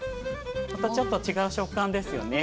またちょっと違う食感ですよね。